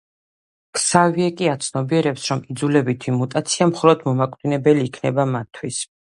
ქსავიე კი აცნობიერებს, რომ იძულებითი მუტაცია მხოლოდ მომაკვდინებელი იქნება მათთვის.